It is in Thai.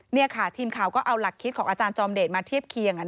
นี่ค่ะทีมข่าวก็เอาหลักคิดของอาจารย์จอมเดชมาเทียบเคียง